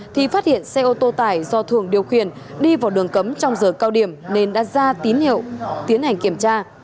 thì phát hiện xe ô tô tải do thường điều khiển đi vào đường cấm trong giờ cao điểm nên đã ra tín hiệu tiến hành kiểm tra